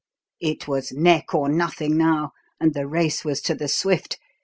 It was neck or nothing now, and the race was to the swift.